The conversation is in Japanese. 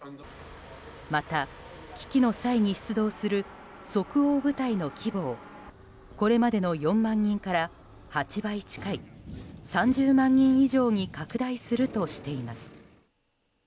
また、危機の際に出動する即応部隊の規模をこれまでの４万人から８倍近い３０万人以上に拡大するとしています。